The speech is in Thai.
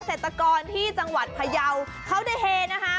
เศรษฐกรที่จังหวัดพยาวเขาได้เฮนะคะ